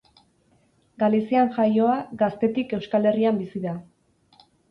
Galizian jaioa, gaztetik Euskal Herrian bizi da.